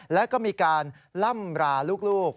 แล้วก็มีการล่ำราลูก